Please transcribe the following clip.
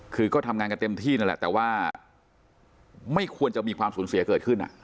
คือก็ทำงานกันเต็มที่นั่นแหละแต่ว่าไม่ควรจะมีความสูญเสียเกิดขึ้น